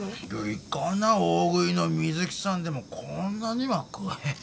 いかな大食いの水木さんでもこんなには食えん。